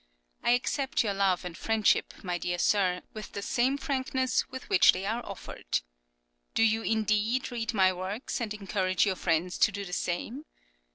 I accept your love and friendship, my dear sir, with the same frankness with which they are offered. Do you, indeed, read my works and encourage your friends to do the same?